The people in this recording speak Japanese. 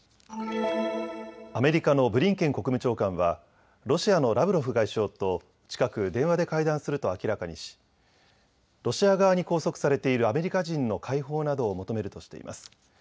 アメリカのブリンケン国務長官はロシアのラブロフ外相と近く電話で会談すると明らかにしロシア側に拘束されているアメリカ人の解放などを求めるとしています。